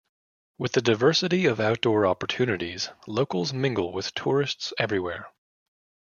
With a diversity of outdoor opportunities, locals mingle with tourists everywhere.